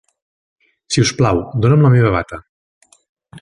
Si us plau, dona'm la meva bata.